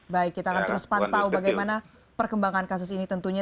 baik kita akan terus pantau bagaimana perkembangan kasus ini tentunya